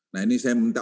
nah ini saya minta